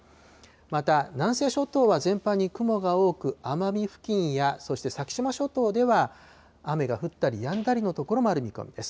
また、南西諸島は全般に雲が多く、奄美付近や、そして先島諸島では雨が降ったりやんだりの所もある見込みです。